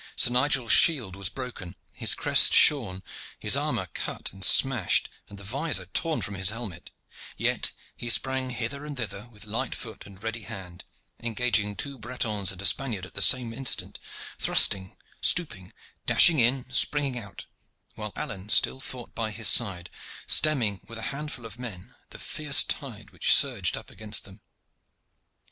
Sir Nigel's shield was broken, his crest shorn, his armor cut and smashed, and the vizor torn from his helmet; yet he sprang hither and thither with light foot and ready hand, engaging two Bretons and a Spaniard at the same instant thrusting, stooping, dashing in, springing out while Alleyne still fought by his side, stemming with a handful of men the fierce tide which surged up against them.